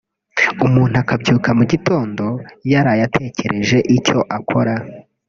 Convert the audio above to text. umuntu akabyuka mu gitondo yaraye atekereje icyo akora